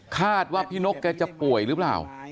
คาดว่าพี่นกแกจะป่วยหรือเปล่า